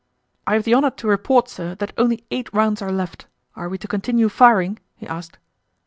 "I have the honor to report, sir, that only eight rounds are left. Are we to continue firing?" he asked.